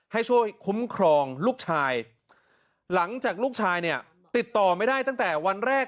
ให้ช่วยคุ้มครองลูกชายหลังจากลูกชายเนี่ยติดต่อไม่ได้ตั้งแต่วันแรก